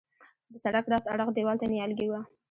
د سړک راست اړخ دیوال ته نیالګي وه.